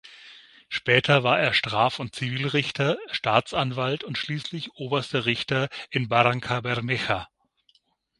Später war er Straf- und Zivilrichter, Staatsanwalt und schließlich Oberster Richter in Barrancabermeja.